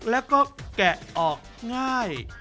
แล้วก็แกะออกง่าย